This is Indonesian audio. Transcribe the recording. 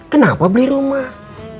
kenapa beli rumah